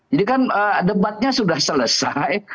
jadi kan debatnya sudah selesai